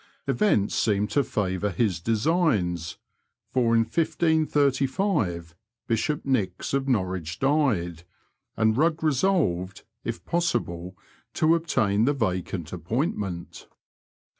Events seemed to favour his designs, for in 1585 Bishop Nix of Norwich died, and Bugg resolved, if possible, to obtain the vacant appointment.